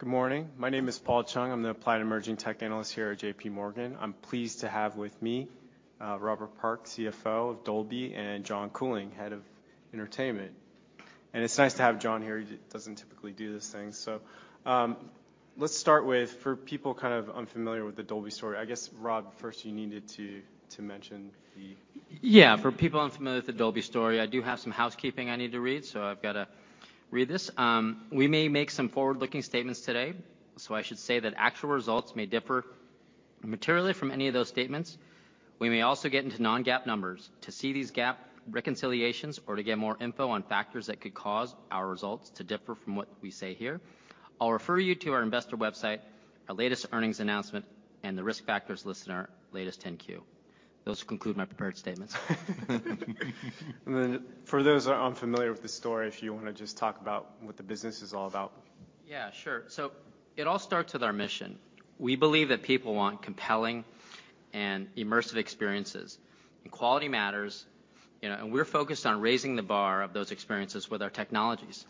Good morning. My name is Paul Chung. I'm the applied emerging tech analyst here at JPMorgan. I'm pleased to have with me, Robert Park, CFO of Dolby, and John Couling, Head of Entertainment. It's nice to have John here. He doesn't typically do this thing. Let's start with for people kind of unfamiliar with the Dolby story. I guess, Rob, first you needed to mention the- Yeah. For people unfamiliar with the Dolby story, I do have some housekeeping I need to read, so I've gotta read this. We may make some forward-looking statements today, so I should say that actual results may differ materially from any of those statements. We may also get into non-GAAP numbers. To see these GAAP reconciliations or to get more info on factors that could cause our results to differ from what we say here, I'll refer you to our investor website, our latest earnings announcement, and the risk factors listed in our latest 10-Q. Those conclude my prepared statements. For those that are unfamiliar with the story, if you wanna just talk about what the business is all about. Sure. It all starts with our mission. We believe that people want compelling and immersive experiences. Quality matters, you know, and we're focused on raising the bar of those experiences with our technologies.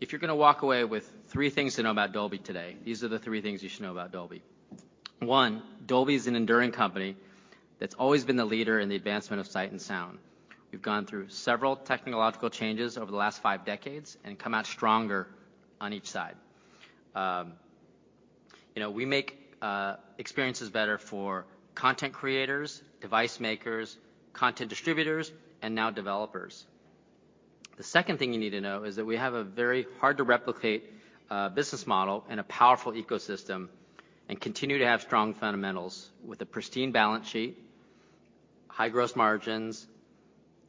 If you're gonna walk away with three things to know about Dolby today, these are the three things you should know about Dolby. One, Dolby is an enduring company that's always been the leader in the advancement of sight and sound. We've gone through several technological changes over the last five decades and come out stronger on each side. You know, we make experiences better for content creators, device makers, content distributors, and now developers. The second thing you need to know is that we have a very hard-to-replicate business model and a powerful ecosystem. Continue to have strong fundamentals with a pristine balance sheet, high gross margins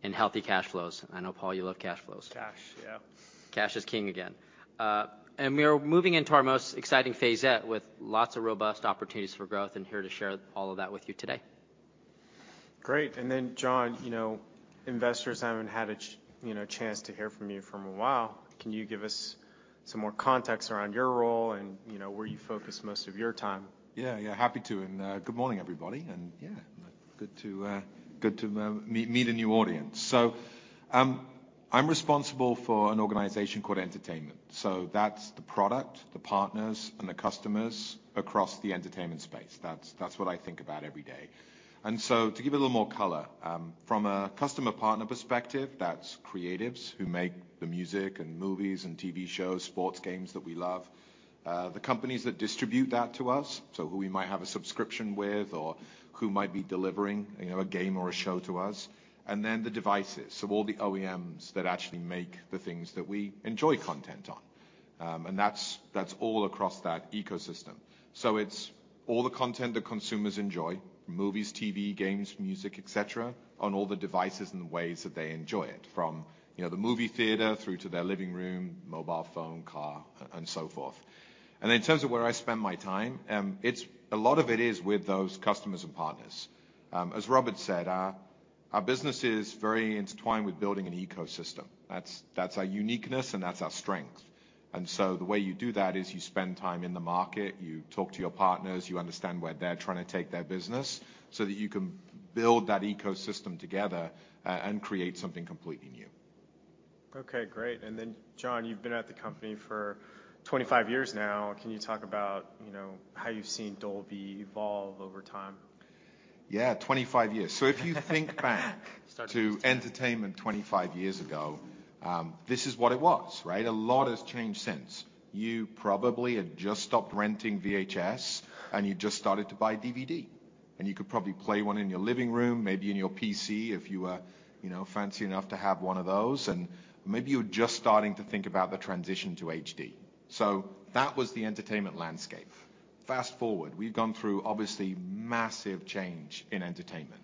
and healthy cash flows. I know, Paul, you love cash flows. Cash. Yeah. Cash is king again. We are moving into our most exciting phase yet with lots of robust opportunities for growth, and here to share all of that with you today. Great. John, you know, investors haven't had a you know, a chance to hear from you for a while. Can you give us some more context around your role and, you know, where you focus most of your time? Yeah, yeah. Happy to. Good morning, everybody. Good to meet a new audience. I'm responsible for an organization called Entertainment. That's the product, the partners, and the customers across the entertainment space. That's what I think about every day. To give a little more color, from a customer-partner perspective, that's creatives who make the music and movies and TV shows, sports games that we love. The companies that distribute that to us, who we might have a subscription with or who might be delivering, you know, a game or a show to us. Then the devices, so all the OEMs that actually make the things that we enjoy content on. That's all across that ecosystem. It's all the content that consumers enjoy, movies, TV, games, music, et cetera, on all the devices and the ways that they enjoy it, from, you know, the movie theater through to their living room, mobile phone, car, and so forth. In terms of where I spend my time, it's a lot of it is with those customers and partners. As Robert said, our business is very intertwined with building an ecosystem. That's, that's our uniqueness, and that's our strength. The way you do that is you spend time in the market, you talk to your partners, you understand where they're trying to take their business so that you can build that ecosystem together and create something completely new. Okay. Great. John, you've been at the company for 25 years now. Can you talk about, you know, how you've seen Dolby evolve over time? Yeah, 25 years. If you think back to entertainment 25 years ago, this is what it was, right? Starting to... A lot has changed since. You probably had just stopped renting VHS, and you just started to buy DVD. You could probably play one in your living room, maybe in your PC if you were, you know, fancy enough to have one of those. Maybe you were just starting to think about the transition to HD. That was the entertainment landscape. Fast-forward, we've gone through, obviously, massive change in entertainment.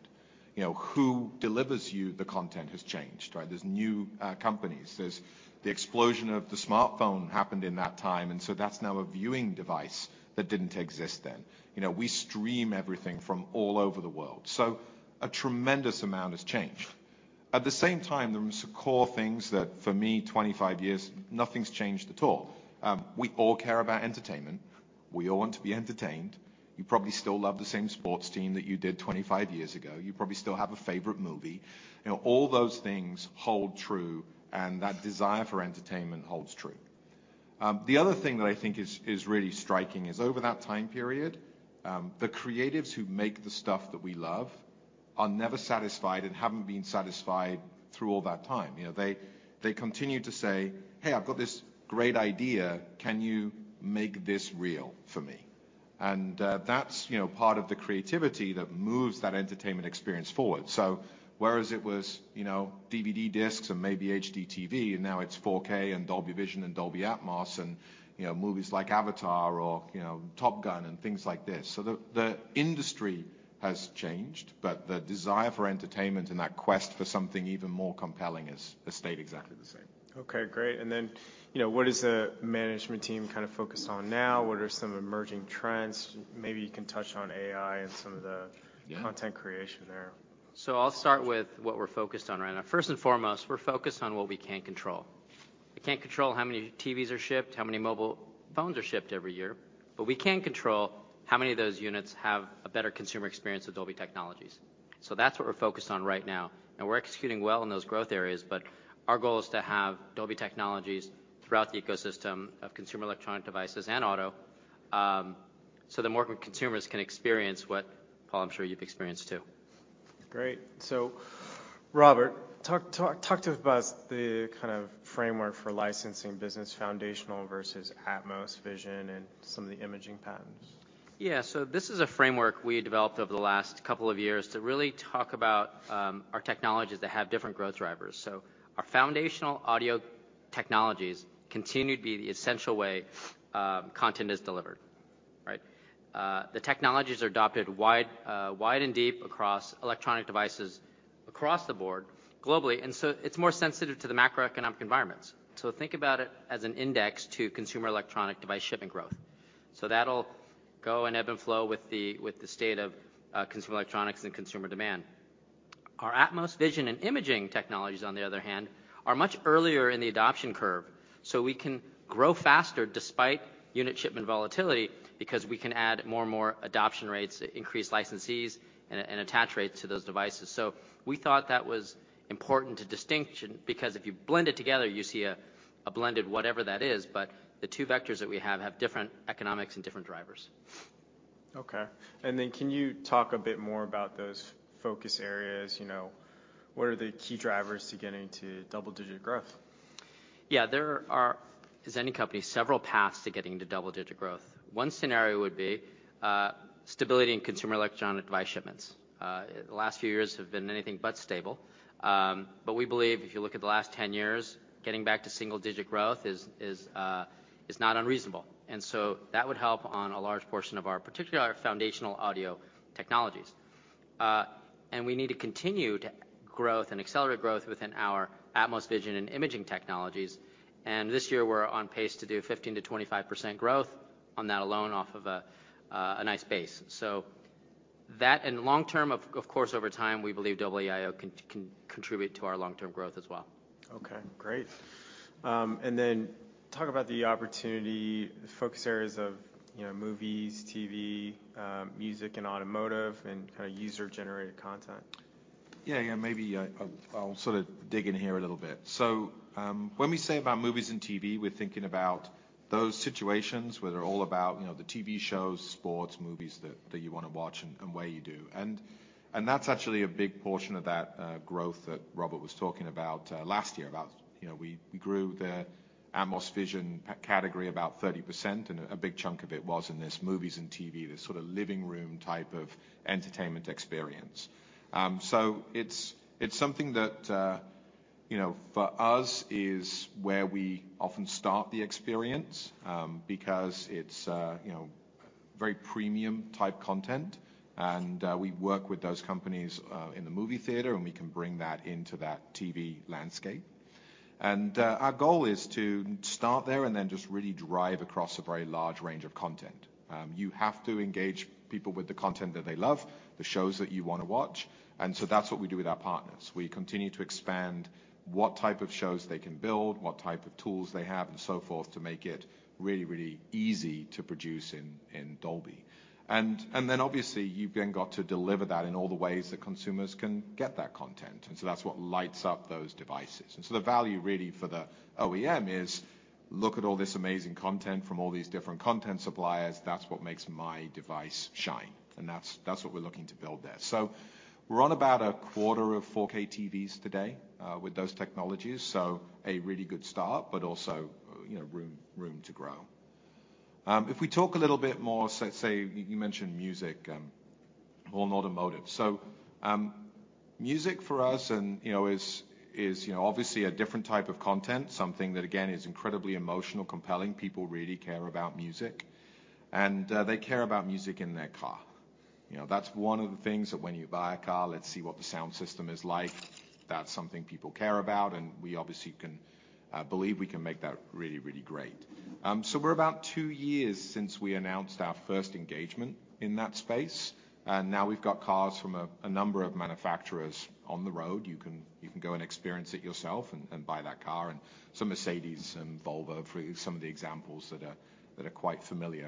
You know, who delivers you the content has changed, right? There's new companies. There's the explosion of the smartphone happened in that time, and that's now a viewing device that didn't exist then. You know, we stream everything from all over the world. A tremendous amount has changed. At the same time, there are some core things that, for me, 25 years, nothing's changed at all. We all care about entertainment. We all want to be entertained. You probably still love the same sports team that you did 25 years ago. You probably still have a favorite movie. You know, all those things hold true, and that desire for entertainment holds true. The other thing that I think is really striking is over that time period, the creatives who make the stuff that we love are never satisfied and haven't been satisfied through all that time. You know, they continue to say, "Hey, I've got this great idea. Can you make this real for me?" That's, you know, part of the creativity that moves that entertainment experience forward. Whereas it was, you know, DVD discs and maybe HDTV, and now it's 4K and Dolby Vision and Dolby Atmos and, you know, movies like Avatar or, you know, Top Gun and things like this. The industry has changed, but the desire for entertainment and that quest for something even more compelling has stayed exactly the same. Okay. Great. Then, you know, what is the management team kind of focused on now? What are some emerging trends? Maybe you can touch on AI and some of the content creation there. I'll start with what we're focused on right now. First and foremost, we're focused on what we can control. We can't control how many TVs are shipped, how many mobile phones are shipped every year, but we can control how many of those units have a better consumer experience with Dolby technologies. That's what we're focused on right now, and we're executing well in those growth areas. Our goal is to have Dolby technologies throughout the ecosystem of consumer electronic devices and auto, so that more consumers can experience what, Paul, I'm sure you've experienced too. Great. Robert, talk to us about the kind of framework for licensing business foundational versus Atmos Vision and some of the imaging patents? Yeah. This is a framework we developed over the last couple of years to really talk about our technologies that have different growth drivers. Our foundational audio technologies continue to be the essential way content is delivered, right? The technologies are adopted wide and deep across electronic devices across the board globally, it's more sensitive to the macroeconomic environments. Think about it as an index to consumer electronic device shipping growth. That'll go and ebb and flow with the state of consumer electronics and consumer demand. Our Atmos Vision and imaging technologies, on the other hand, are much earlier in the adoption curve. We can grow faster despite unit shipment volatility because we can add more and more adoption rates, increase licensees and attach rates to those devices. We thought that was important to distinction because if you blend it together, you see a blended whatever that is. The two vectors that we have have different economics and different drivers. Okay. Can you talk a bit more about those focus areas? You know, what are the key drivers to getting to double-digit growth? There are, as any company, several paths to getting to double-digit growth. One scenario would be stability in consumer electronic device shipments. The last few years have been anything but stable. We believe if you look at the last 10 years, getting back to single-digit growth is not unreasonable. That would help on a large portion of our, particularly our foundational audio technologies. We need to continue to growth and accelerate growth within our Atmos Vision and imaging technologies. This year we're on pace to do 15%-25% growth on that alone off of a nice base. That and long term of course, over time, we believe Dolby.io can contribute to our long-term growth as well. Okay, great. Talk about the opportunity focus areas of, you know, movies, TV, music, and automotive and kind of user-generated content. Yeah, yeah. Maybe, I'll sort of dig in here a little bit. When we say about movies and TV, we're thinking about those situations where they're all about, you know, the TV shows, sports, movies that you wanna watch and where you do. That's actually a big portion of that growth that Robert was talking about last year. About, you know, we grew the Atmos Vision category about 30% and a big chunk of it was in this movies and TV, this sort of living room type of entertainment experience. It's something that, you know, for us is where we often start the experience, because it's, you know, very premium type content and we work with those companies in the movie theater, and we can bring that into that TV landscape. Our goal is to start there and then just really drive across a very large range of content. You have to engage people with the content that they love, the shows that you wanna watch. That's what we do with our partners. We continue to expand what type of shows they can build, what type of tools they have and so forth to make it really, really easy to produce in Dolby. Obviously you've then got to deliver that in all the ways that consumers can get that content. That's what lights up those devices. The value really for the OEM is, look at all this amazing content from all these different content suppliers. That's what makes my device shine, and that's what we're looking to build there. We're on about a quarter of 4K TVs today with those technologies, so a really good start, but also, you know, room to grow. If we talk a little bit more, let's say you mentioned music or automotive. Music for us, you know, is, you know, obviously a different type of content, something that again is incredibly emotional, compelling. People really care about music, and they care about music in their car. You know, that's one of the things that when you buy a car, let's see what the sound system is like. That's something people care about, and we obviously can believe we can make that really, really great. We're about two years since we announced our first engagement in that space, and now we've got cars from a number of manufacturers on the road. You can go and experience it yourself and buy that car. Mercedes and Volvo are free, some of the examples that are quite familiar.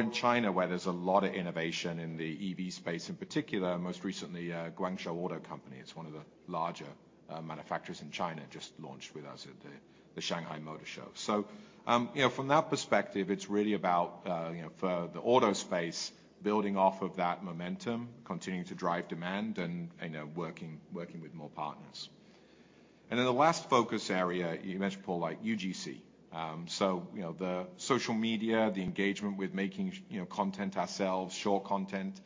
In China where there's a lot of innovation in the EV space, in particular, most recently, Guangzhou Auto Company, it's one of the larger manufacturers in China, just launched with us at the Shanghai Auto Show. You know, from that perspective, it's really about, you know, for the auto space, building off of that momentum, continuing to drive demand and, you know, working with more partners. The last focus area you mentioned, Paul, like UGC. You know, the social media, the engagement with making, you know, content ourselves, short content.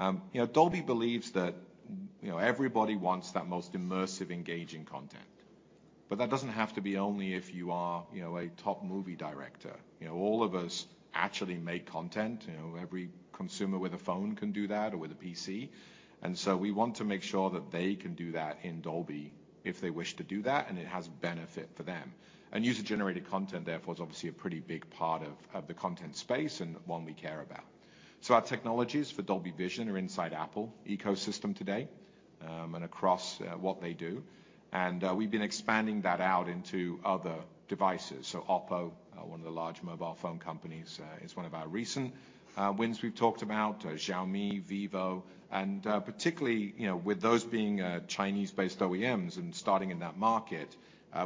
You know, Dolby believes that, you know, everybody wants that most immersive, engaging content. That doesn't have to be only if you are, you know, a top movie director. You know, all of us actually make content. You know, every consumer with a phone can do that or with a PC. We want to make sure that they can do that in Dolby if they wish to do that and it has benefit for them. User-generated content, therefore, is obviously a pretty big part of the content space and one we care about. Our technologies for Dolby Vision are inside Apple ecosystem today and across what they do. We've been expanding that out into other devices. OPPO, one of the large mobile phone companies, is one of our recent wins we've talked about. Xiaomi, Vivo, and particularly, you know, with those being Chinese-based OEMs and starting in that market,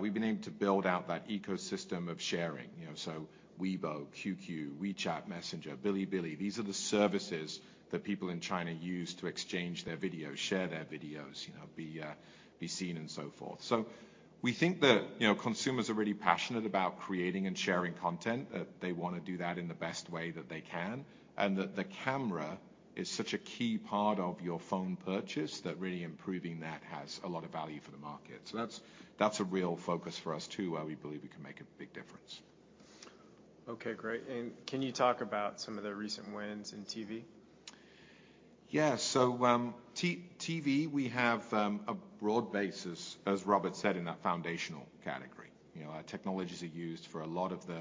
we've been able to build out that ecosystem of sharing. You know, Weibo, QQ, WeChat, Messenger, Bilibili, these are the services that people in China use to exchange their videos, share their videos, you know, be seen and so forth. We think that, you know, consumers are really passionate about creating and sharing content, that they wanna do that in the best way that they can, and that the camera is such a key part of your phone purchase that really improving that has a lot of value for the market. That's, that's a real focus for us too, where we believe we can make a big difference. Okay, great. Can you talk about some of the recent wins in TV? Yeah. TV, we have a broad base as Robert said, in that foundational category. You know, our technologies are used for a lot of the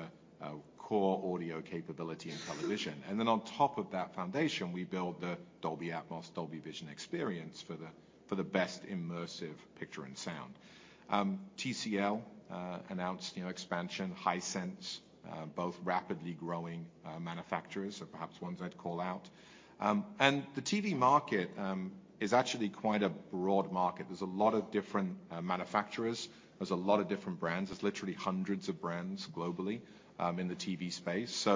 core audio capability in television. On top of that foundation, we build the Dolby Atmos, Dolby Vision experience for the best immersive picture and sound. TCL announced, you know, expansion, Hisense, both rapidly growing manufacturers are perhaps ones I'd call out. The TV market is actually quite a broad market. There's a lot of different manufacturers. There's a lot of different brands. There's literally hundreds of brands globally in the TV space.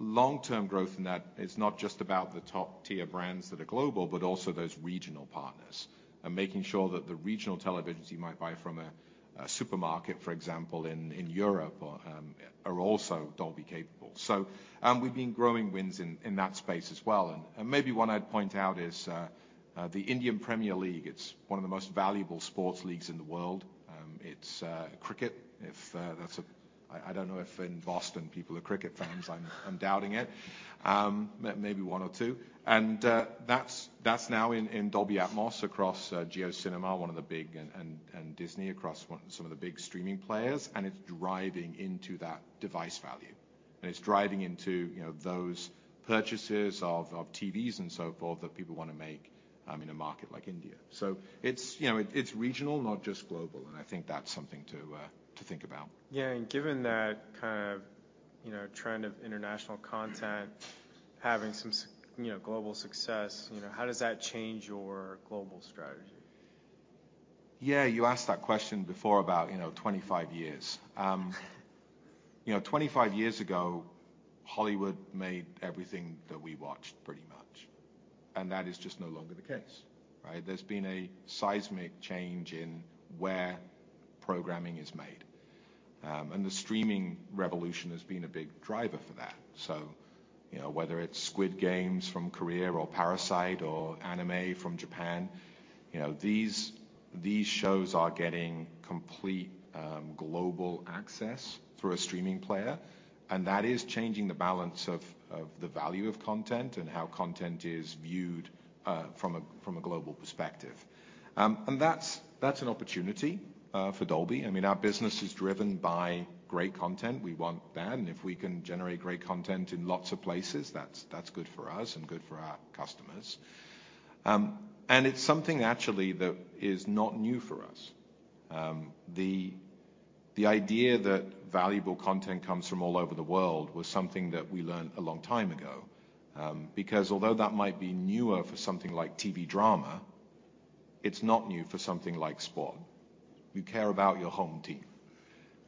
Long-term growth in that is not just about the top-tier brands that are global, but also those regional partners and making sure that the regional televisions you might buy from a supermarket, for example, in Europe or are also Dolby-capable. We've been growing wins in that space as well. Maybe one I'd point out is the Indian Premier League. It's one of the most valuable sports leagues in the world. It's cricket, if I don't know if in Boston people are cricket fans. I'm doubting it. Maybe one or two. That's now in Dolby Atmos across JioCinema, one of the big, and Disney across some of the big streaming players, and it's driving into that device value. It's driving into, you know, those purchases of TVs and so forth that people wanna make in a market like India. It's, you know, it's regional, not just global, and I think that's something to think about. Yeah. Given that kind of, you know, trend of international content having some you know, global success, you know, how does that change your global strategy? Yeah, you asked that question before about, you know, 25 years. You know, 25 years ago, Hollywood made everything that we watched pretty much, and that is just no longer the case, right? There's been a seismic change in where programming is made. The streaming revolution has been a big driver for that. You know, whether it's Squid Game from Korea or Parasite or anime from Japan, you know, these shows are getting complete global access through a streaming player, and that is changing the balance of the value of content and how content is viewed from a global perspective. That's an opportunity for Dolby. I mean, our business is driven by great content. We want that, and if we can generate great content in lots of places, that's good for us and good for our customers. It's something actually that is not new for us. The idea that valuable content comes from all over the world was something that we learned a long time ago, because although that might be newer for something like TV drama, it's not new for something like sport. You care about your home team,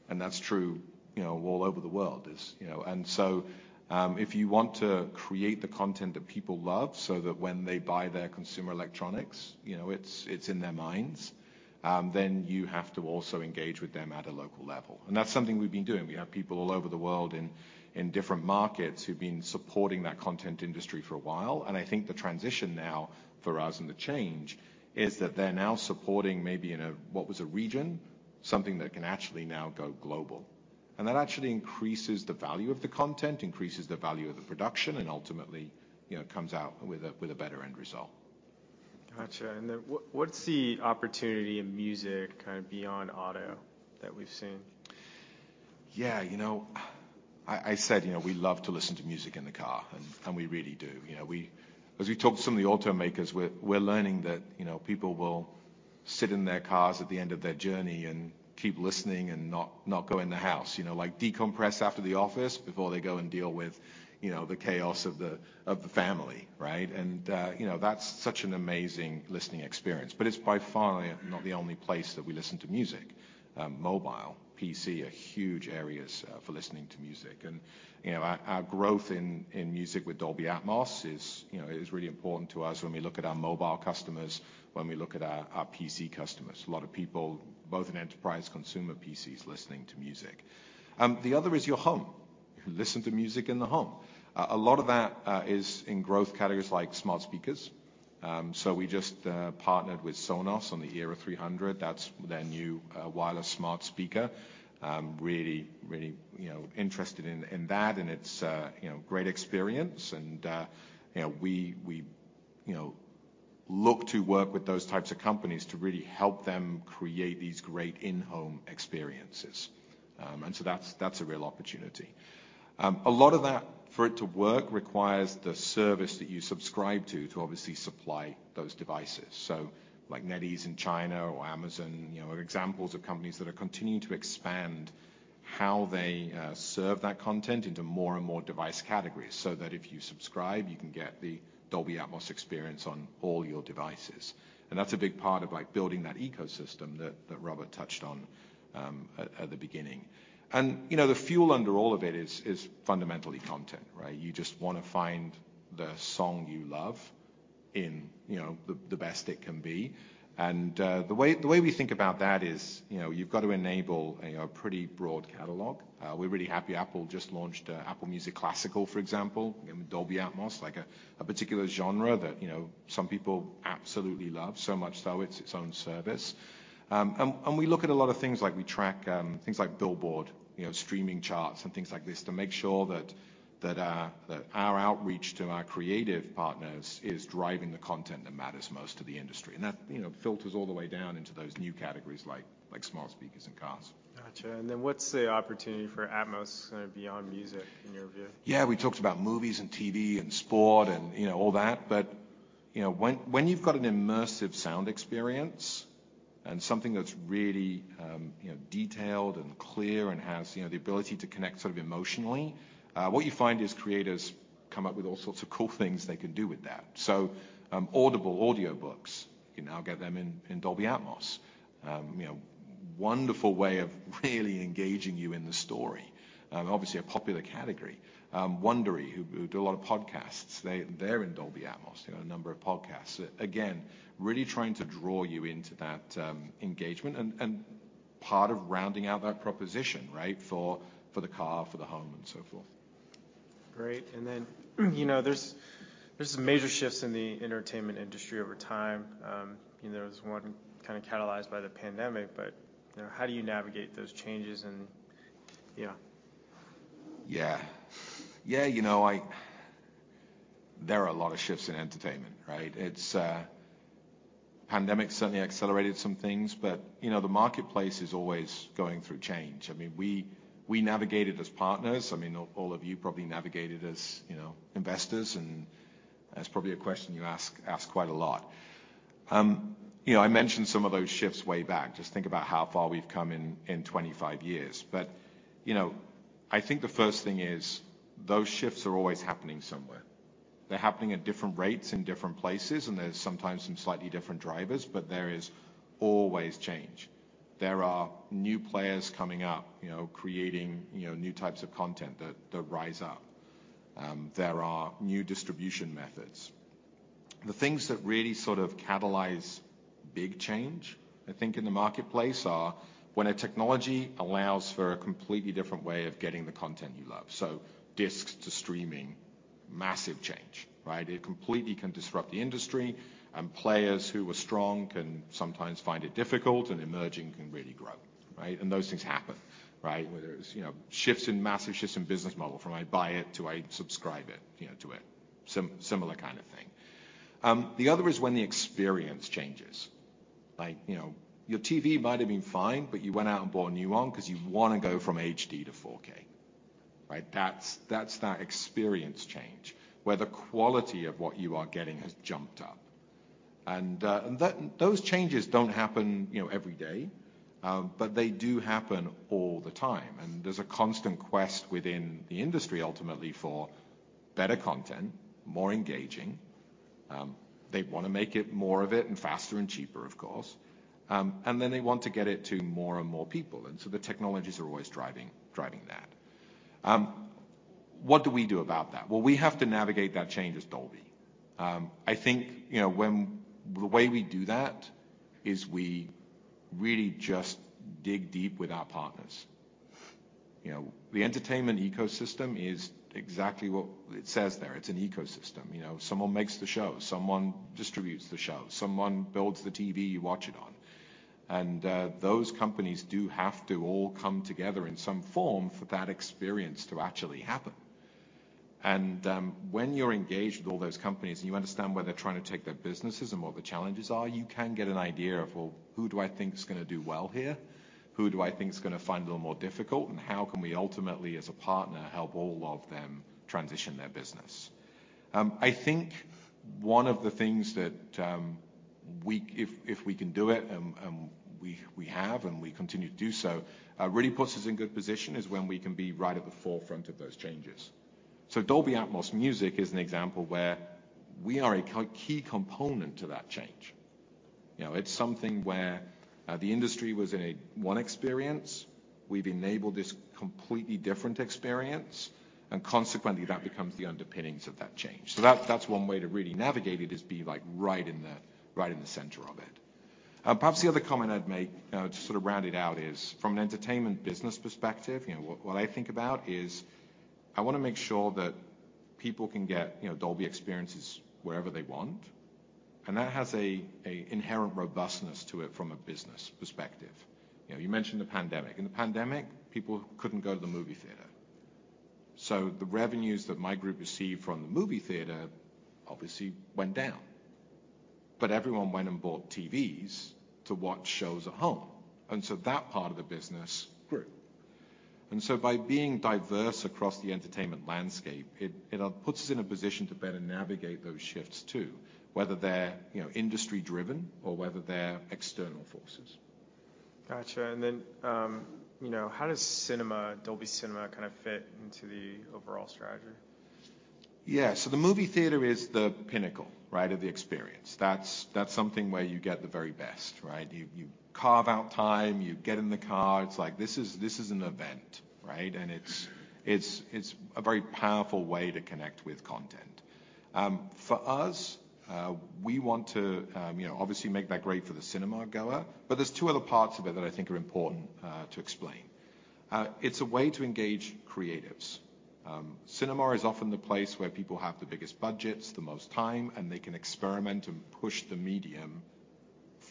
and that's true, you know, all over the world is, you know. If you want to create the content that people love so that when they buy their consumer electronics, you know, it's in their minds, then you have to also engage with them at a local level, and that's something we've been doing. We have people all over the world in different markets who've been supporting that content industry for a while, and I think the transition now for us and the change is that they're now supporting maybe in a, what was a region, something that can actually now go global. That actually increases the value of the content, increases the value of the production, and ultimately, you know, comes out with a, with a better end result. Gotcha. What's the opportunity in music kind of beyond auto that we've seen? Yeah. You know, I said, you know, we love to listen to music in the car, and we really do. You know, as we talk to some of the automakers, we're learning that, you know, people will sit in their cars at the end of their journey and keep listening and not go in the house. You know, like decompress after the office before they go and deal with, you know, the chaos of the, of the family, right? You know, that's such an amazing listening experience. It's by far not the only place that we listen to music. Mobile, PC are huge areas for listening to music. You know, our growth in music with Dolby Atmos is, you know, really important to us when we look at our mobile customers, when we look at our PC customers. A lot of people, both in enterprise consumer PCs listening to music. The other is your home. You listen to music in the home. A lot of that is in growth categories like smart speakers. We just partnered with Sonos on the Era 300. That's their new wireless smart speaker. Really, you know, interested in that, and it's, you know, great experience. You know, we, you know, look to work with those types of companies to really help them create these great in-home experiences. That's a real opportunity. A lot of that, for it to work, requires the service that you subscribe to obviously supply those devices. Like NetEase in China or Amazon, you know, are examples of companies that are continuing to expand how they serve that content into more and more device categories, so that if you subscribe, you can get the Dolby Atmos experience on all your devices. That's a big part of, like, building that ecosystem that Robert touched on at the beginning. You know, the fuel under all of it is fundamentally content, right? You just wanna find the song you love in, you know, the best it can be. The way we think about that is, you know, you've got to enable a pretty broad catalog. We're really happy Apple just launched Apple Music Classical, for example, in Dolby Atmos, like a particular genre that, you know, some people absolutely love, so much so it's its own service. We look at a lot of things like we track things like Billboard, you know, streaming charts and things like this to make sure that our outreach to our creative partners is driving the content that matters most to the industry. That, you know, filters all the way down into those new categories like smart speakers and cars. Gotcha. Then what's the opportunity for Atmos kinda beyond music in your view? Yeah, we talked about movies and TV and sport and, you know, all that. You know, when you've got an immersive sound experience and something that's really, you know, detailed and clear and has, you know, the ability to connect sort of emotionally, what you find is creators come up with all sorts of cool things they can do with that. Audible audiobooks, you can now get them in Dolby Atmos. You know, wonderful way of really engaging you in the story. Obviously a popular category. Wondery, who do a lot of podcasts, they're in Dolby Atmos, you know, a number of podcasts. Again, really trying to draw you into that engagement and part of rounding out that proposition, right? For the car, for the home and so forth. Great. You know, there's some major shifts in the entertainment industry over time. You know, there's one kind of catalyzed by the pandemic, but, you know, how do you navigate those changes and yeah? Yeah. Yeah, you know, there are a lot of shifts in entertainment, right? It's, pandemic certainly accelerated some things, you know, the marketplace is always going through change. I mean, we navigate it as partners. I mean, all of you probably navigate it as, you know, investors, that's probably a question you ask quite a lot. You know, I mentioned some of those shifts way back. Just think about how far we've come in 25 years. You know, I think the first thing is those shifts are always happening somewhere. They're happening at different rates in different places, there's sometimes some slightly different drivers, there is always change. There are new players coming up, you know, creating, you know, new types of content that rise up. There are new distribution methods. The things that really sort of catalyze big change, I think, in the marketplace are when a technology allows for a completely different way of getting the content you love. Disks to streaming, massive change, right? It completely can disrupt the industry, and players who were strong can sometimes find it difficult, and emerging can really grow, right? Those things happen, right? Whether it's, you know, massive shifts in business model from I buy it to I subscribe it, you know, to it. Similar kind of thing. The other is when the experience changes. Like, you know, your TV might've been fine, but you went out and bought a new one 'cause you wanna go from HD to 4K, right? That's that experience change, where the quality of what you are getting has jumped up. Those changes don't happen, you know, every day, but they do happen all the time, and there's a constant quest within the industry ultimately for better content, more engaging. They wanna make it more of it and faster and cheaper, of course. They want to get it to more and more people. The technologies are always driving that. What do we do about that? Well, we have to navigate that change as Dolby. I think, you know, the way we do that is we really just dig deep with our partners. You know, the entertainment ecosystem is exactly what it says there. It's an ecosystem, you know. Someone makes the show, someone distributes the show, someone builds the TV you watch it on. Those companies do have to all come together in some form for that experience to actually happen. When you're engaged with all those companies and you understand where they're trying to take their businesses and what the challenges are, you can get an idea of, well, who do I think is gonna do well here? Who do I think is gonna find it a little more difficult? How can we ultimately as a partner help all of them transition their business? I think one of the things that we if we can do it, and we have, and we continue to do so, really puts us in good position, is when we can be right at the forefront of those changes. Dolby Atmos Music is an example where we are a key component to that change. You know, it's something where the industry was in a one experience, we've enabled this completely different experience, and consequently that becomes the underpinnings of that change. That, that's one way to really navigate it, is be like right in the, right in the center of it. Perhaps the other comment I'd make to sort of round it out is, from an entertainment business perspective, you know, what I think about is I wanna make sure that people can get, you know, Dolby experiences wherever they want, and that has a inherent robustness to it from a business perspective. You know, you mentioned the pandemic. In the pandemic, people couldn't go to the movie theater. The revenues that my group received from the movie theater obviously went down. Everyone went and bought TVs to watch shows at home, and so that part of the business grew. By being diverse across the entertainment landscape, it puts us in a position to better navigate those shifts too, whether they're, you know, industry driven or whether they're external forces. Gotcha. Then, you know, how does Dolby Cinema kinda fit into the overall strategy? The movie theater is the pinnacle, right, of the experience. That's something where you get the very best, right? You, you carve out time, you get in the car. It's like this is an event, right? It's a very powerful way to connect with content. For us, we want to, you know, obviously make that great for the cinema goer, but there's two other parts of it that I think are important to explain. It's a way to engage creatives. Cinema is often the place where people have the biggest budgets, the most time, and they can experiment and push the medium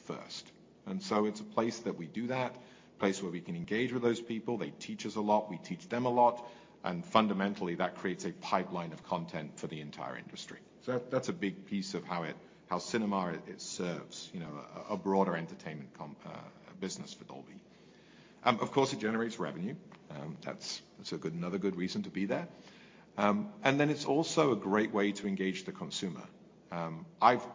first. It's a place that we do that, a place where we can engage with those people. They teach us a lot. We teach them a lot. Fundamentally, that creates a pipeline of content for the entire industry. That's a big piece of how cinema, it serves, you know, a broader entertainment business for Dolby. Of course, it generates revenue. That's another good reason to be there. Then it's also a great way to engage the consumer. I've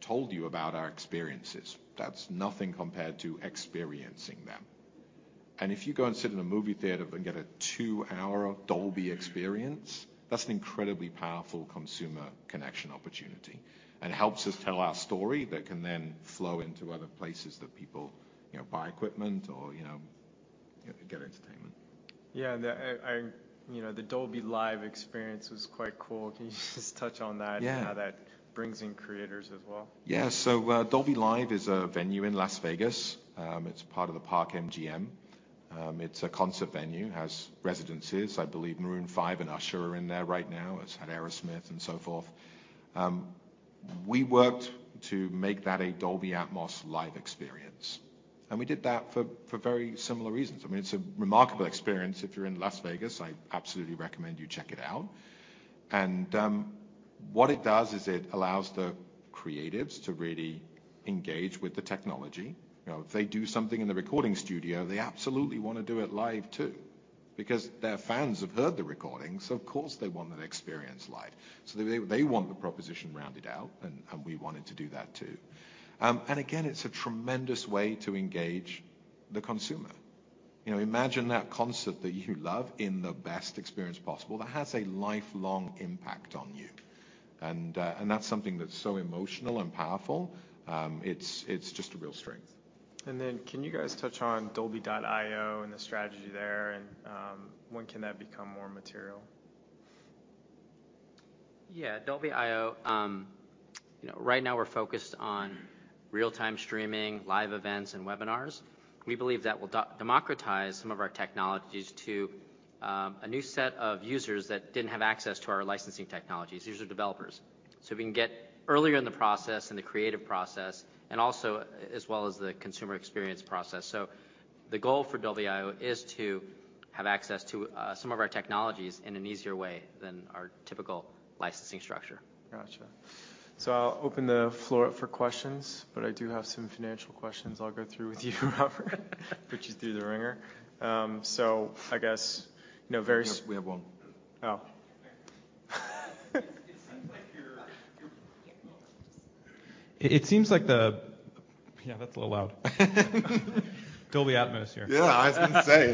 told you about our experiences. That's nothing compared to experiencing them. If you go and sit in a movie theater and get a two-hour Dolby experience, that's an incredibly powerful consumer connection opportunity and helps us tell our story that can then flow into other places that people, you know, buy equipment or, you know, get entertainment. Yeah. You know, the Dolby Live experience was quite cool. Can you just touch on that? Yeah. How that brings in creators as well? Yeah. Dolby Live is a venue in Las Vegas. It's part of the Park MGM. It's a concert venue. It has residences. I believe Maroon 5 and Usher are in there right now. It's had Aerosmith and so forth. We worked to make that a Dolby Atmos live experience, and we did that for very similar reasons. I mean, it's a remarkable experience. If you're in Las Vegas, I absolutely recommend you check it out. What it does is it allows the creatives to really engage with the technology. You know, if they do something in the recording studio, they absolutely wanna do it live too because their fans have heard the recordings, so of course they want that experience live. They want the proposition rounded out, and we wanted to do that too. Again, it's a tremendous way to engage the consumer. You know, imagine that concert that you love in the best experience possible. That has a lifelong impact on you. That's something that's so emotional and powerful, it's just a real strength. Can you guys touch on Dolby.io and the strategy there, and, when can that become more material? Yeah. Dolby.io, you know, right now we're focused on real-time streaming, live events and webinars. We believe that will democratize some of our technologies to a new set of users that didn't have access to our licensing technologies. These are developers. We can get earlier in the process, in the creative process, and also as well as the consumer experience process. The goal for Dolby.io is to have access to some of our technologies in an easier way than our typical licensing structure. Gotcha. I'll open the floor up for questions, but I do have some financial questions I'll go through with you, Robert. Put you through the wringer. I guess, you know, very. We have one. Oh. It seems like the. Yeah, that's a little loud. Dolby Atmos here. Yeah, I was gonna say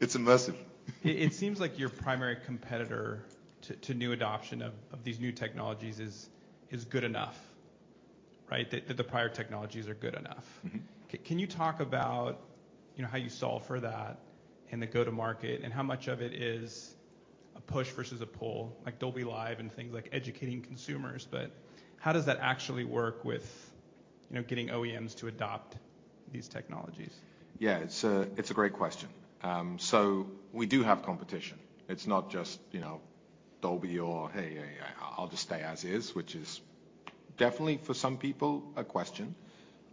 It's immersive. It seems like your primary competitor to new adoption of these new technologies is good enough, right? That the prior technologies are good enough. Can you talk about, you know, how you solve for that in the go-to-market, and how much of it is a push versus a pull? Like Dolby Live and things like educating consumers, but how does that actually work with, you know, getting OEMs to adopt these technologies? Yeah, it's a great question. We do have competition. It's not just, you know, Dolby or, hey, I'll just stay as is, which is definitely for some people a question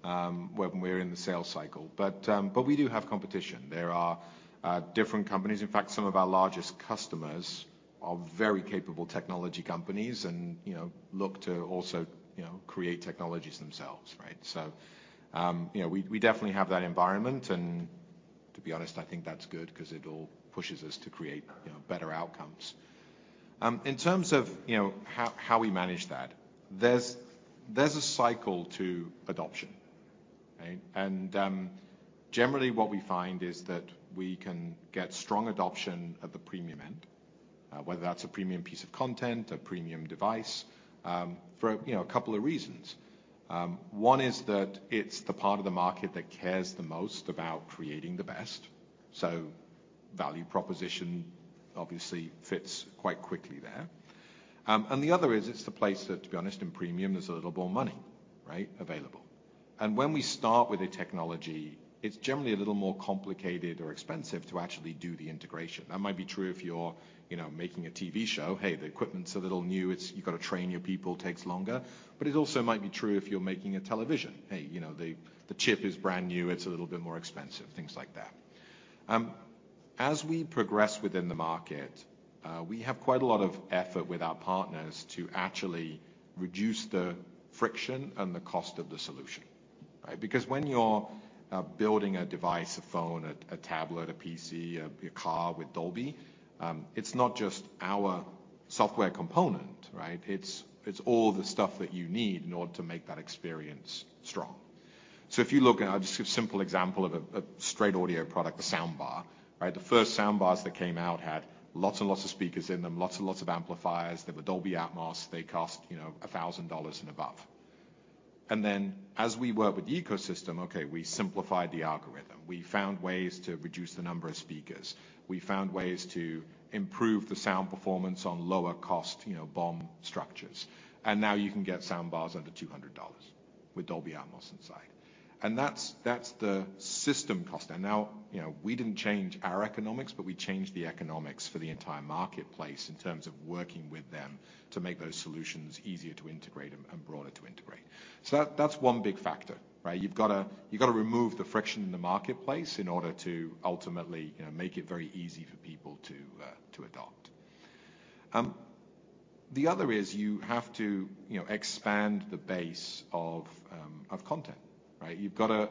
when we're in the sales cycle. We do have competition. There are different companies. In fact, some of our largest customers are very capable technology companies and, you know, look to also, you know, create technologies themselves, right? You know, we definitely have that environment, and to be honest, I think that's good 'cause it all pushes us to create, you know, better outcomes. In terms of, you know, how we manage that, there's a cycle to adoption, right? Generally what we find is that we can get strong adoption at the premium end, whether that's a premium piece of content, a premium device, for, you know, a couple of reasons. One is that it's the part of the market that cares the most about creating the best, so value proposition obviously fits quite quickly there. The other is it's the place that, to be honest, in premium, there's a little more money, right, available. When we start with a technology, it's generally a little more complicated or expensive to actually do the integration. That might be true if you're, you know, making a TV show. Hey, the equipment's a little new. You gotta train your people. Takes longer. But it also might be true if you're making a television. You know, the chip is brand new, it's a little bit more expensive, things like that. As we progress within the market, we have quite a lot of effort with our partners to actually reduce the friction and the cost of the solution, right? Because when you're building a device, a phone, a tablet, a PC, a car with Dolby, it's not just our software component, right? It's all the stuff that you need in order to make that experience strong. If you look at, I'll just give a simple example of a straight audio product, the soundbar, right? The first soundbars that came out had lots and lots of speakers in them, lots and lots of amplifiers. They were Dolby Atmos. They cost, you know, $1,000 and above. As we work with the ecosystem, okay, we simplified the algorithm. We found ways to reduce the number of speakers. We found ways to improve the sound performance on lower cost, you know, BOM structures. Now you can get soundbars under $200 with Dolby Atmos inside. That's the system cost. Now, you know, we didn't change our economics, but we changed the economics for the entire marketplace in terms of working with them to make those solutions easier to integrate and broader to integrate. That's one big factor, right? You've gotta remove the friction in the marketplace in order to ultimately, you know, make it very easy for people to adopt. The other is you have to, you know, expand the base of content, right? You've gotta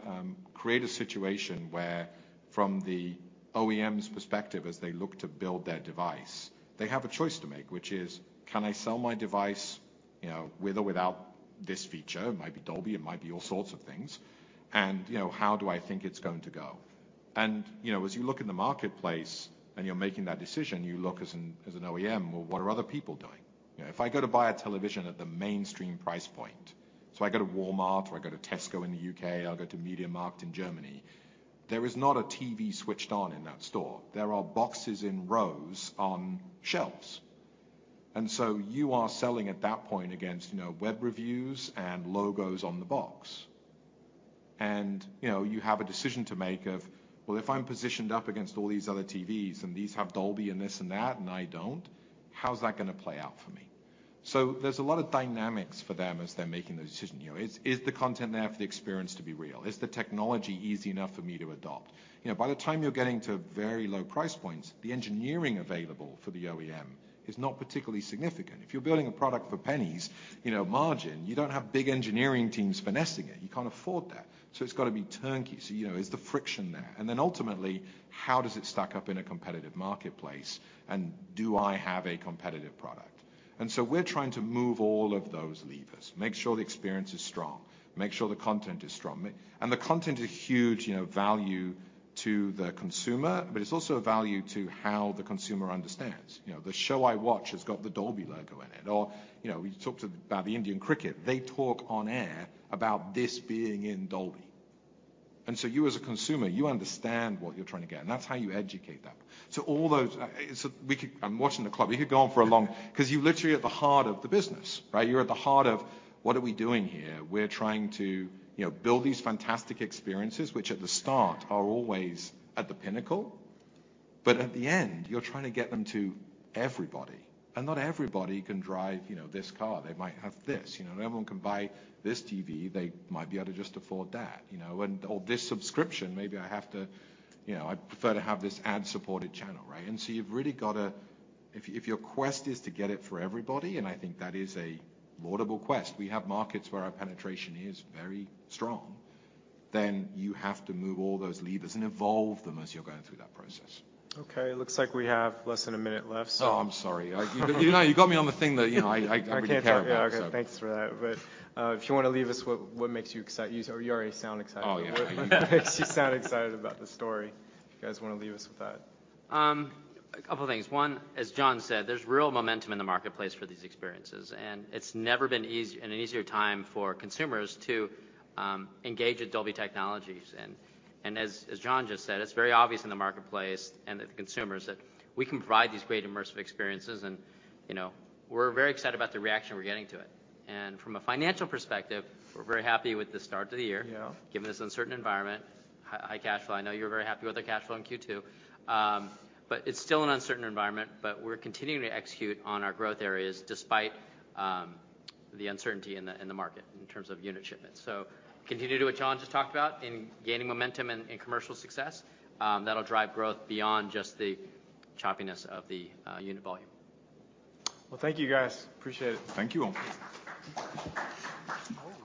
create a situation where from the OEM's perspective as they look to build their device, they have a choice to make, which is, "Can I sell my device, you know, with or without this feature?" It might be Dolby, it might be all sorts of things. You know, how do I think it's going to go? You know, as you look in the marketplace and you're making that decision, you look as an OEM, "Well, what are other people doing?" You know, if I go to buy a television at the mainstream price point, so I go to Walmart or I go to Tesco in the U.K., I'll go to MediaMarkt in Germany, there is not a TV switched on in that store. There are boxes in rows on shelves. You are selling at that point against, you know, web reviews and logos on the box. You know, you have a decision to make of, "Well, if I'm positioned up against all these other TVs, and these have Dolby and this and that, and I don't, how's that gonna play out for me?" There's a lot of dynamics for them as they're making the decision. You know, is the content there for the experience to be real? Is the technology easy enough for me to adopt? You know, by the time you're getting to very low price points, the engineering available for the OEM is not particularly significant. If you're building a product for pennies, you know, margin, you don't have big engineering teams finessing it. You can't afford that. It's gotta be turnkey. You know, is the friction there? Ultimately, how does it stack up in a competitive marketplace? Do I have a competitive product? We're trying to move all of those levers, make sure the experience is strong, make sure the content is strong. The content is huge, you know, value to the consumer, but it's also a value to how the consumer understands. You know, the show I watch has got the Dolby logo in it, or, you know, we talked about the Indian cricket. They talk on air about this being in Dolby. You as a consumer, you understand what you're trying to get, and that's how you educate that. All those, watching the clock. We could go on. Yeah. Cause you're literally at the heart of the business, right? You're at the heart of, what are we doing here? We're trying to, you know, build these fantastic experiences, which at the start are always at the pinnacle. At the end, you're trying to get them to everybody. Not everybody can drive, you know, this car. They might have this. You know, not everyone can buy this TV. They might be able to just afford that, you know? Or this subscription, maybe I have to, you know, I prefer to have this ad-supported channel, right? You've really gotta, if your quest is to get it for everybody, and I think that is a laudable quest, we have markets where our penetration is very strong, then you have to move all those levers and evolve them as you're going through that process. Okay, it looks like we have less than a minute left. Oh, I'm sorry. You know, you got me on the thing that, you know, I really care about. I can't tell. Yeah. Okay, thanks for that. If you wanna leave us what makes you exci--. You already sound excited. Oh, yeah. What makes you sound excited about the story? If you guys wanna leave us with that. A couple things. One, as John said, there's real momentum in the marketplace for these experiences, and it's never been an easier time for consumers to engage with Dolby technologies. As John just said, it's very obvious in the marketplace and the consumers that we can provide these great immersive experiences and, you know, we're very excited about the reaction we're getting to it. From a financial perspective, we're very happy with the start to the year given this uncertain environment. High, high cash flow. I know you're very happy with the cash flow in Q2. It's still an uncertain environment, but we're continuing to execute on our growth areas despite the uncertainty in the market in terms of unit shipments. Continue to do what John just talked about in gaining momentum and commercial success. That'll drive growth beyond just the choppiness of the unit volume. Well, thank you guys. Appreciate it. Thank you all.